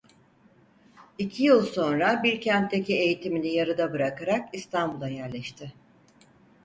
İki yıl sonra Bilkent'teki eğitimini yarıda bırakarak İstanbul'a yerleşti.